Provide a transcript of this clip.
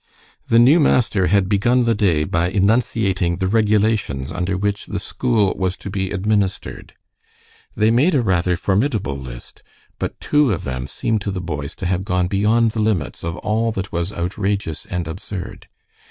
The new master had begun the day by enunciating the regulations under which the school was to be administered. They made rather a formidable list, but two of them seemed to the boys to have gone beyond the limits of all that was outrageous and absurd.